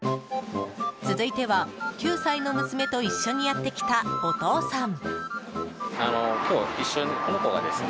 続いては、９歳の娘と一緒にやってきたお父さん。